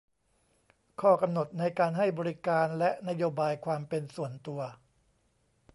ข้อกำหนดในการให้บริการและนโยบายความเป็นส่วนตัว